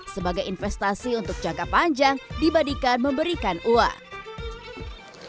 sebagai investasi untuk jangka panjang dibandingkan memberikan uang